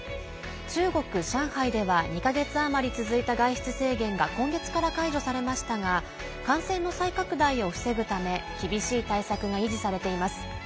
中国・上海では２か月余り続いた外出制限が今月から解除されましたが感染の再拡大を防ぐため厳しい対策が維持されています。